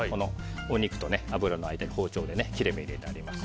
お肉と脂の間に包丁で切れ目を入れてあります。